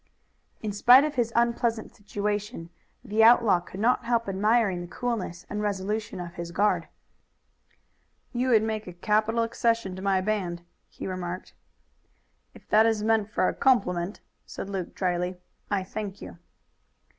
In spite of his unpleasant situation the outlaw could not help admiring the coolness and resolution of his guard. "You would make a capital accession to my band," he remarked. "If that is meant for a compliment," said Luke dryly, "I thank you."